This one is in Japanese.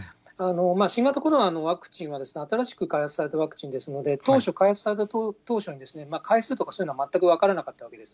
新型コロナのワクチンは、新しく開発されたワクチンですので、当初、開発された当初に回数とかそういうのは全く分からなかったわけです。